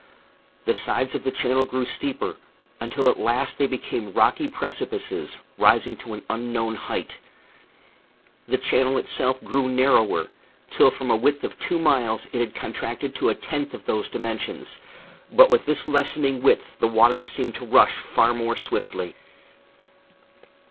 The sides of the channel grew steeper, until at last they became rocky precipices, rising to an unknown height. The channel itself grew narrower, till from a width of two miles it had contracted to a tenth of those dimensions; but with this lessening width the waters seemed to rush far more swiftly.